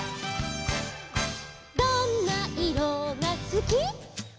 「どんないろがすき」「」